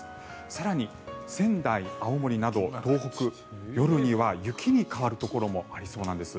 更に、仙台、青森など東北、夜には雪に変わるところもありそうなんです。